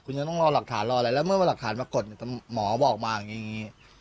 คุณจะต้องรอหลักฐานรออะไรแล้วเมื่อหลักฐานมากดหมอบอกมาอย่างนี้